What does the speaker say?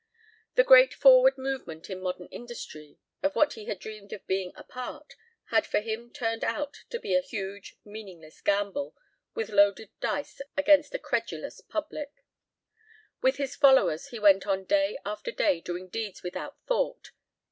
The great forward movement in modern industry of which he had dreamed of being a part had for him turned out to be a huge meaningless gamble with loaded dice against a credulous public. With his followers he went on day after day doing deeds without thought.